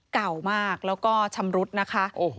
เก่ามากแล้วก็ชำรุดนะคะ